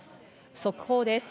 速報です。